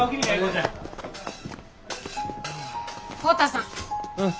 浩太さん。